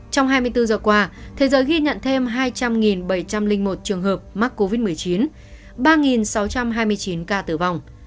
trong hai mươi bốn giờ qua thế giới ghi nhận thêm hai trăm linh bảy trăm linh một trường hợp mắc covid một mươi chín ba sáu trăm hai mươi chín ca tử vong